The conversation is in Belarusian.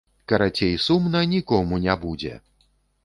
Карацей, сумна нікому не будзе!!!